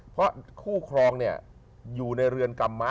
เพราะคู่ครองเนี่ยอยู่ในเรือนกรรมะ